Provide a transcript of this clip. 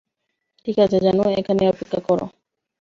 ঠিক আছে, জানু, এখানেই অপেক্ষা করো।